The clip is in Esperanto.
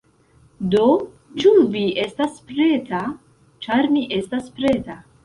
Do, ĉu vi estas preta? ĉar mi estas preta!